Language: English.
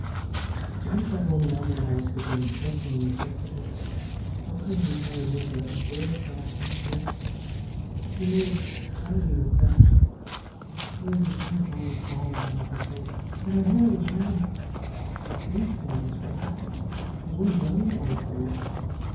To get that woman out of the house became a pressing necessity. Her cousin carried with her a baleful atmosphere. She moved cloudy with doubt. There was a diabolic aura about her face, and her hair was red! These things were patent. Was one blind or a fool?